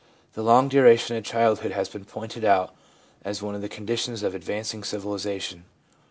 The long duration of childhood has been pointed out as one of the conditions of advancing civilisation.